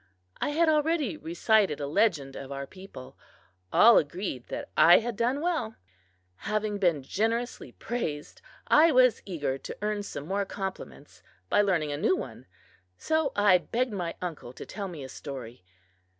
I had already recited a legend of our people. All agreed that I had done well. Having been generously praised, I was eager to earn some more compliments by learning a new one, so I begged my uncle to tell me a story.